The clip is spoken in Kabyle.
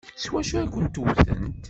S wacu ay kent-wtent?